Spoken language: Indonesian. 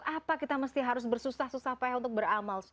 apakah kita harus bersusah susah payah untuk beramal